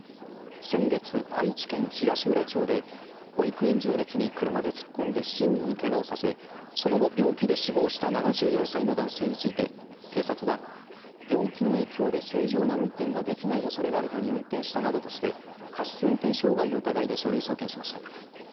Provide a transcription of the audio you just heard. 先月、愛知県東浦町で保育園児の列に車で突っ込んで７人にけがをさせその後、病気で死亡した７４歳の男性について警察は、病気の影響で正常な運転ができないおそれがあるのに運転したなどとして過失運転傷害の疑いで書類送検しました。